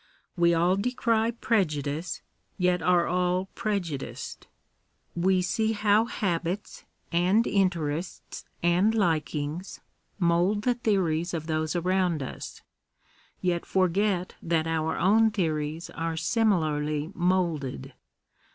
We all decry prejudice, yet are all prejudiced. We see how habits, and interests, and likings, mould the theories of those around us; yet forget that our own theories are similarly moulded.